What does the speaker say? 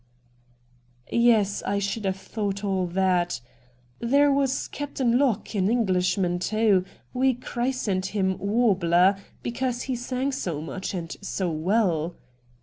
' Yes — I should have thought all that. Well— the next ?'' There was Captain Locke, an Englishman, too. We christened him Warbler, because he sang so much, and so well.'